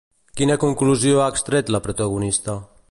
Quina conclusió ha extret la protagonista?